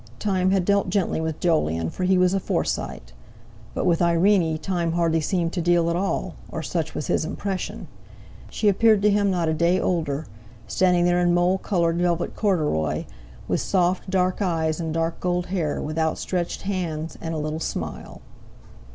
Time had dealt gently with Jolyon, for he was a Forsyte. But with Irene Time hardly seemed to deal at all, or such was his impression. She appeared to him not a day older, standing there in mole coloured velvet corduroy, with soft dark eyes and dark gold hair, with outstretched hand and a little smile.